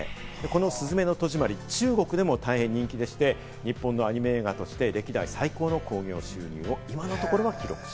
この『すずめの戸締まり』、中国でも大変人気でして、日本のアニメ映画として、歴代最高の興行収入を今のところ記録し